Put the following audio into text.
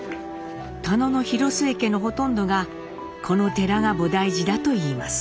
田野の広末家のほとんどがこの寺が菩提寺だといいます。